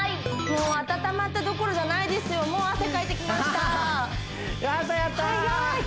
もう温まったどころじゃないですよもう汗かいてきましたはははやったやった早い！